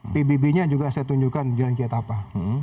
pbb nya juga saya tunjukkan jalan kiatapa